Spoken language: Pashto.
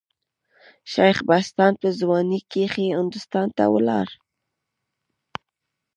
شېخ بستان په ځوانۍ کښي هندوستان ته ولاړ.